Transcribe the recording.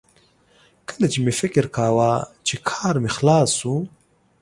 کله چې مې فکر کاوه چې کار مې خلاص شو